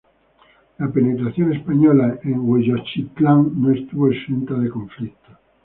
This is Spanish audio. La penetración española en Hueyotlipan no estuvo exenta de conflictos.